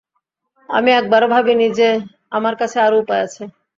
আমি একবারও ভাবিনি যে আমার কাছে আরো উপায় আছে।